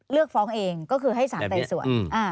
เลือกฟ้องเองก็คือให้สารไต่สวน